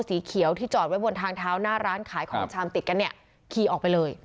สีเขียวที่จอดไว้บนทางเท้าหน้าร้านขายของชามติดกันเนี่ยขี่ออกไปเลย